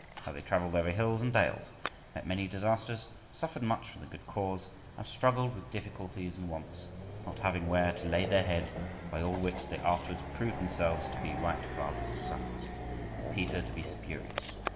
How they travelled over hills and dales, met many disasters, suffered much from the good cause, and struggled with difficulties and wants, not having where to lay their head; by all which they afterwards proved themselves to be right father's sons, and Peter to be spurious.